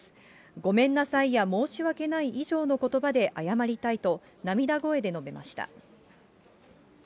ごめんなさいや、申し訳ない以上のことばで謝りたいと涙声で述べました。